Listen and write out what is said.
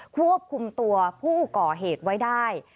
ควบคุมตัวผู้ก่อเหตุไว้ได้